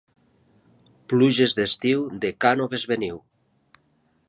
Pluges d'estiu de Cànoves veniu.